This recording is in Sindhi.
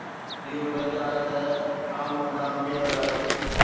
اهو بهتر آهي ته خام انڊا پيئڻ لاء